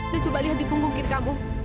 dan coba lihat di punggung kiri kamu